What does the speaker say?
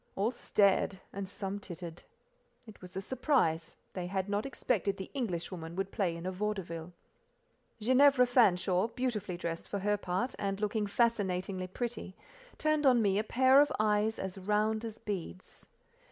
All stared and some tittered. It was a surprise: they had not expected the Englishwoman would play in a vaudeville. Ginevra Fanshawe, beautifully dressed for her part, and looking fascinatingly pretty, turned on me a pair of eyes as round as beads.